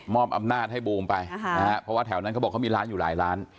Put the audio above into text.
อำนาจให้บูมไปเพราะว่าแถวนั้นเขาบอกเขามีร้านอยู่หลายล้าน